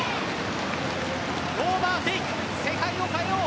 オーバーテイク世界を変えよう。